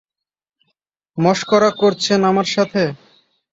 মশকরা করছেন আমার সাথে?